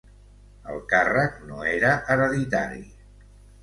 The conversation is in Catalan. El càrrec no era hereditari.